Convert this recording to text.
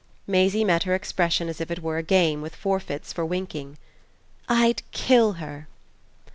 Maisie met her expression as if it were a game with forfeits for winking. "I'd KILL her!"